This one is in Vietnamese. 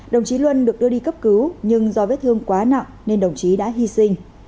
đồng chí luân được đưa đi cấp cứu nhưng do vết thương quá nặng nên đồng chí đã hy sinh